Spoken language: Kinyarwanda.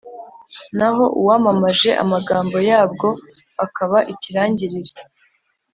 naho uwamamaje amagambo yabwo, akaba ikirangirire.